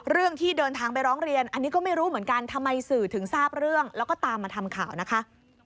เรื่องที่เดินทางไปร้องเรียนอันนี้ก็ไม่รู้เหมือนกันทำไมสื่อถึงทราบเรื่องแล้วก็ตามมาทำข่าวนะคะ